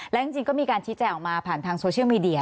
และจริงก็มีการชี้แจงออกมาผ่านทางโซเชียลมีเดีย